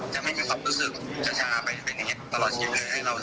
จะไม่ให้ความรู้สึกชะชาไปเป็นเหตุ